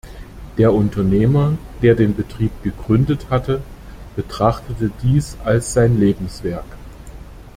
Der Unternehmer, der den Betrieb gegründet hatte, betrachtete dies als sein Lebenswerk.